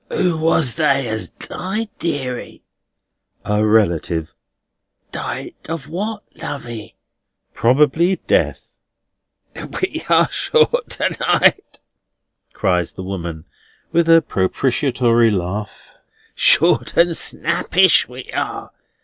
"Who was they as died, deary?" "A relative." "Died of what, lovey?" "Probably, Death." "We are short to night!" cries the woman, with a propitiatory laugh. "Short and snappish we are!